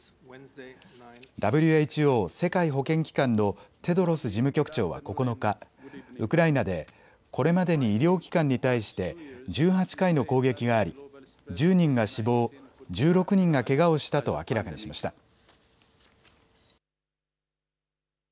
ＷＨＯ・世界保健機関のテドロス事務局長は９日、ウクライナでこれまでに医療機関に対して１８回の攻撃があり１０人が死亡、１６人がけがをしたと明らかにしました。